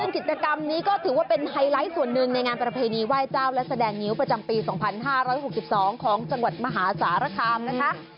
กิจกรรมนี้ก็ถือว่าเป็นไฮไลท์ส่วนหนึ่งในงานประเพณีไหว้เจ้าและแสดงงิ้วประจำปี๒๕๖๒ของจังหวัดมหาสารคามนะคะ